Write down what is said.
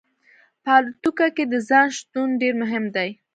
په الوتکه کې د ځای شتون ډیر مهم دی